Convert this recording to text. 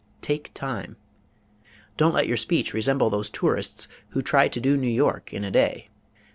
Take time. Don't let your speech resemble those tourists who try "to do" New York in a day.